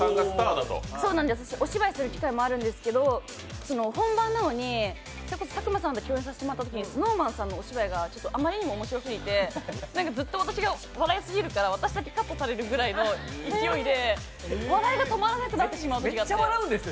お芝居する機会もあるんですけど本番なのに、佐久間さんと共演させてもらったときにＳｎｏｗＭａｎさんのお芝居があまりにも面白すぎて、ずっと私が笑いすぎるから私だけカットされるぐらいの勢いで笑いが止まらなくなってしまうことがあるんです。